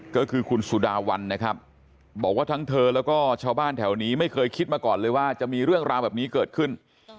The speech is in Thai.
ก็คือคุณสุดาวันนะครับบอกว่าทั้งเธอแล้วก็ชาวบ้านแถวนี้ไม่เคยคิดมาก่อนเลยว่าจะมีเรื่องราวแบบนี้เกิดขึ้น